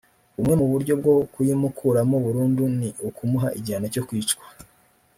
Bumwe mu buryo bwo kuyimukuramo burundu ni ukumuha igihano cyo kwicwa